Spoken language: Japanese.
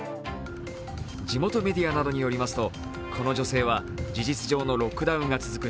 地元メディアなどによりますと、この女性は事実上のロックダウンが続く